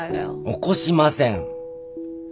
起こしません！